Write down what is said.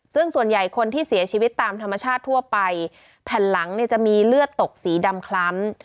ซึ่งส่วนใหญ่คนที่เสียชีวิตตามธรรมชาติทั่วไปแผ่นหลังเนี่ยจะมีเลือดตกสีดำคล้ำ